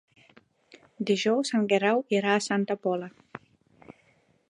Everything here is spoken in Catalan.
Dijous en Guerau irà a Santa Pola.